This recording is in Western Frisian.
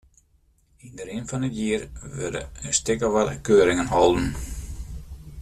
Yn de rin fan it jier wurde in stik of wat keuringen holden.